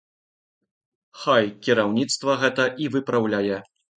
Хай кіраўніцтва гэта і выпраўляе.